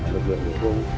lực lượng điều tố